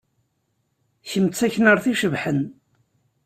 Kemm d taknart icebḥen.